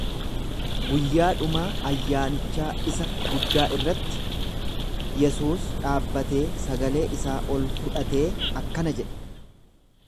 Guyyaa dhumaa ayyaanichaa isa guddaa irratti, Yesuus dhaabbatee sagalee isaa ol fudhatee akkana jedhe.